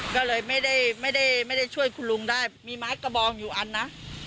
ก็เลยไม่ได้ช่วยคุณลุงได้มีไม้กระบองอยู่อันนะ